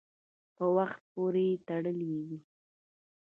په وخت پورې تړلي دي.